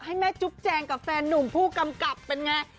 ให้แม่จุ๊บแจงกับแฟนหนุ่มผู้กำกับเป็นไง